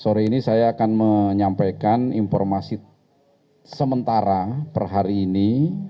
sore ini saya akan menyampaikan informasi sementara per hari ini